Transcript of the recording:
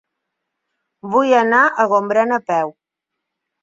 Vull anar a Gombrèn a peu.